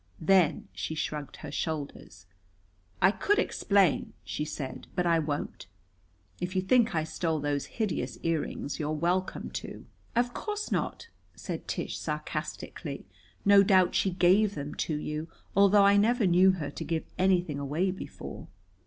Then she shrugged her shoulders. "I could explain," she said, "but I won't. If you think I stole those hideous earrings you're welcome to." "Of course not," said Tish sarcastically. "No doubt she gave them to you although I never knew her to give anything away before."